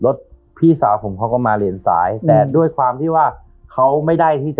พี่สาวผมเขาก็มาเลนซ้ายแต่ด้วยความที่ว่าเขาไม่ได้ที่จะ